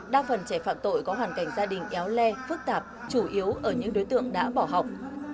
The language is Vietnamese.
đa phần trẻ phạm tội có hoàn cảnh gia đình éo le phức tạp chủ yếu ở những đối tượng đã bỏ học